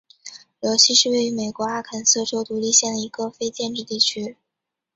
罗西是位于美国阿肯色州独立县的一个非建制地区。